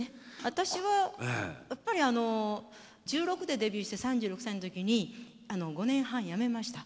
私はやっぱりあの１６でデビューして３６歳の時に５年半やめました。